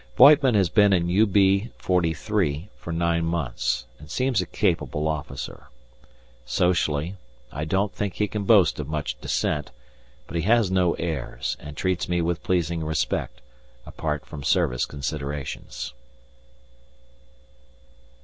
Voigtman has been in U.B.43 for nine months, and seems a capable officer. Socially, I don't think he can boast of much descent, but he has no airs, and treats me with pleasing respect, apart from service considerations.